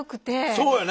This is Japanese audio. そうよね。